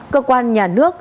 cơ quan nhà nước